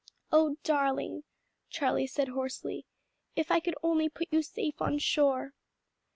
"O darling," Charlie said hoarsely, "if I could only put you safe on shore!"